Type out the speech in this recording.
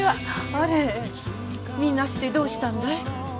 あれみんなしてどうしたんだい？